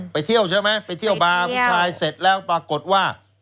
ไปเที่ยวใช่ไหมไปเที่ยวบาร์ผู้ชายเสร็จแล้วปรากฏว่า